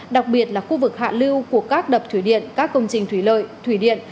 đặc biệt là khu vực hạ lưu của các đập thủy điện các công trình thủy lợi thủy điện